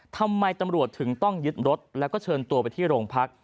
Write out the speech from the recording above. ทำไมตำรวจถึงต้องยึดรถแล้วก็เชิญตัวไปที่โรงพัก